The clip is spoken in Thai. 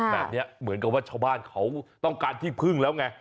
เหมือนกับว่าชาวบ้านเขาต้องการที่พึ่งแล้วไง